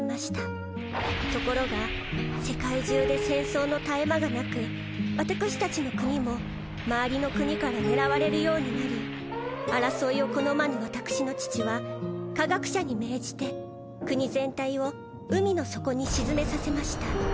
ところが世界中で戦争の絶え間がなくワタクシたちの国も周りの国から狙われるようになり争いを好まぬワタクシの父は科学者に命じて国全体を海の底に沈めさせました。